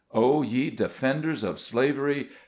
Oh, ye defenders of slavery